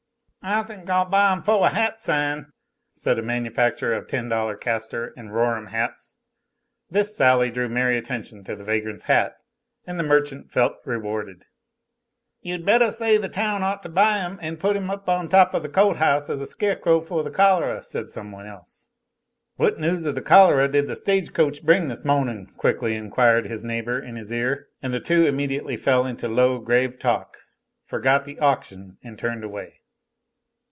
"I think I'll buy 'im foh a hat sign," said a manufacturer of ten dollar Castor and Rhorum hats. This sally drew merry attention to the vagrant's hat, and the merchant felt rewarded. "You'd bettah say the town ought to buy 'im an' put 'im up on top of the cou't house as a scarecrow foh the cholera," said some one else. "What news of the cholera did the stage coach bring this mohning?" quickly inquired his neighbor in his ear; and the two immediately fell into low, grave talk, forgot the auction, and turned away.